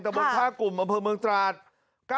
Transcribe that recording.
แต่บน๕กลุ่มอำเภอเมืองจราช